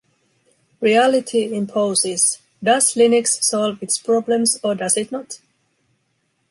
Reality imposes: does Linux solve its problems, or does it not?